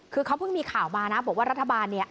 คือเขาเพิ่งมีข่าวมานะบอกว่ารัฐบาลเนี่ย